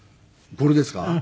これですか？